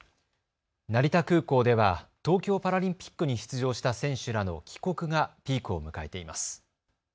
成田空港では東京パラリンピックに出場した選手らの帰国がピークを迎えています。